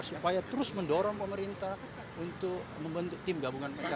supaya terus mendorong pemerintah untuk membentuk tim gabungan